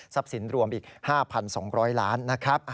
ทรัพย์สินรวมอีก๕๒๐๐ล้านนะครับ